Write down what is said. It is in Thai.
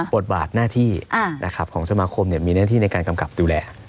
บทบาทหน้าที่ของสมาคมมีหน้าที่ในการกำกับดูแล